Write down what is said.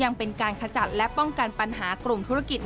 ยังเป็นการขจัดและป้องกันปัญหากลุ่มธุรกิจ